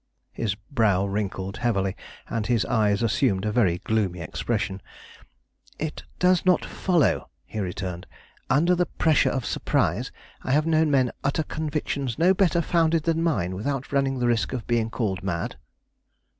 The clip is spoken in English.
His brow wrinkled heavily, and his eyes assumed a very gloomy expression. "It does not follow," he returned. "Under the pressure of surprise, I have known men utter convictions no better founded than mine without running the risk of being called mad."